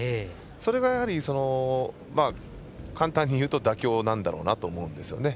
それが簡単に言うと妥協なんだろうなと思うんですよね。